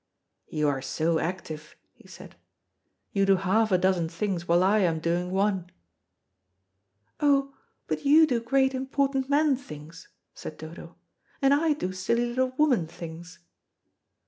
"You are so active," he said; "you do half a dozen things while I am doing one." "Oh, but you do great important man things," said Dodo, "and I do silly little woman things."